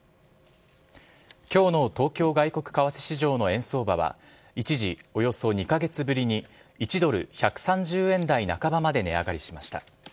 きょうの東京外国為替市場の円相場は、一時およそ２か月ぶりに１ドル１３０円台半ばまで値上がりしました。